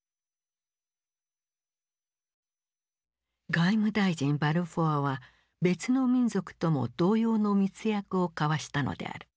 外務大臣バルフォアは別の民族とも同様の密約を交わしたのである。